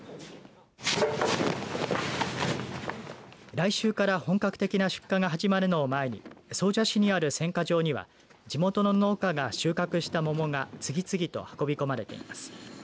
来週から本格的な出荷が始まるのを前に総社市にある選果場には地元の農家が収穫した桃が次々と運び込まれています。